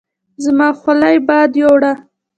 زما حولی باد ويوړه